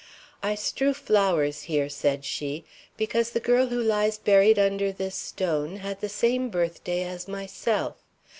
"I strew flowers here," said she, "because the girl who lies buried under this stone had the same birthday as myself.